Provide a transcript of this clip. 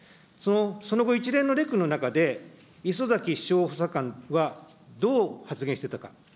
その後、一連のレクの中で、礒崎首相補佐官はどう発言していたか。